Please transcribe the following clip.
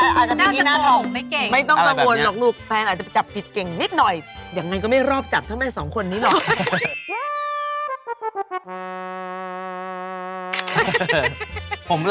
อาจจะมีที่หน้าทองไม่ต้องกังวลหรอกลูกแฟนอาจจะไปจับผิดเก่งนิดหน่อยยังไงก็ไม่รอบจับเท่าแม่สองคนนี้หรอก